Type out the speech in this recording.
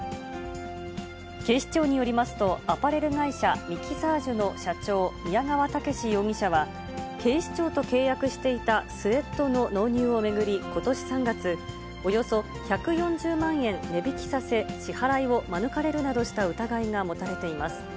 警視庁によりますと、アパレル会社、ミキサージュの社長、宮川武容疑者は、警視庁と契約していたスエットの納入を巡り、ことし３月、およそ１４０万円値引きさせ、支払いを免れるなどした疑いが持たれています。